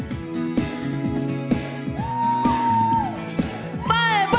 อย่ามาจิ๊กจะให้มันมากไป